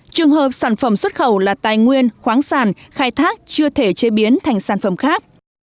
trường hợp sản phẩm xuất khẩu là tài nguyên khoáng sản khai thác chưa thể chế biến thành sản phẩm khác